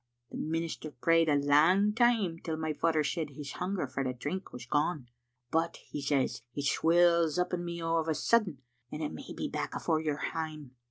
" The minister prayed a lang time till my father said his hunger for the drink was gone, *but', he says, *it swells up in me o' a sudden aye, and it may be back afore you're hame.